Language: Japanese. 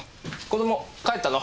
子供帰ったの？